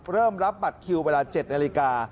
รับบัตรคิวเวลา๗นาฬิกา